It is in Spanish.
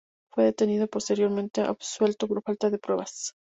Fue detenido y posteriormente absuelto por falta de pruebas.